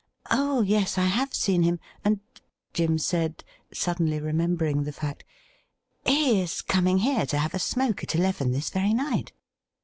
Oh yes, I have seen him, and,' 88 THE RIDDLE RING Jim said, suddenly remembering the fact, 'he is coming here to have a smoke at eleven this very night.'